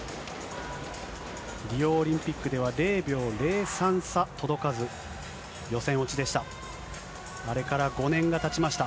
リオオリンピックでは０秒０３差届かず、予選落ちでした。